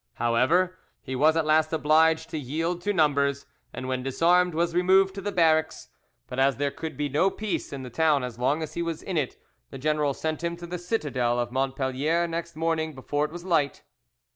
However, he was at last obliged to yield to numbers, and when disarmed was removed to the barracks; but as there could be no peace in the town as long as he was in it, the general sent him to the citadel of Montpellier next morning before it was light.